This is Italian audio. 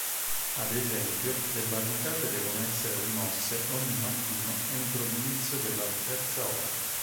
Ad esempio, le barricate devono essere rimosse ogni mattino entro l'inizio della terza ora.